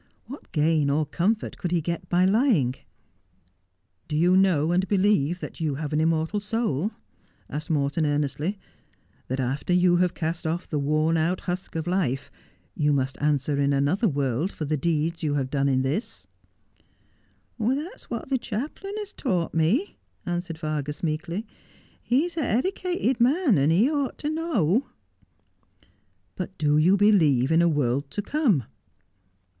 What gain or comfort could he get by lying ?' Do you know and believe that you have an immortal soul ?'' That would be an Unholy Alliance.' 269 asked Morton earnestly, ' that after you have cast off the worn out husk of life, you must answer in another world for the deeds you have done in this 1 '' That's what the chaplain has taught me,' answered Vargas meekly. ' He's a heddicated man, and he ought to know.' ' But do you believe in a world to come